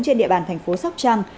trên địa bàn thành phố sóc trăng